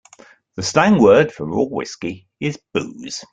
The slang word for raw whiskey is booze.